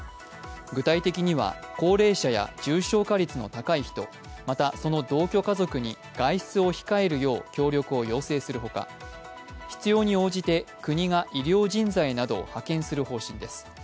具体的には、高齢者や重症化率の高い人、またその同居家族に外出を控えるよう協力を要請するほか必要に応じて国が医療人材などを派遣する方針です。